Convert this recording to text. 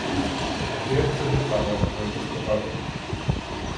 А чия ж це друкарня, дозвольте спитати?